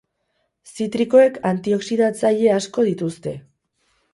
Zitrikoek antioxidatzaile asko dituzte.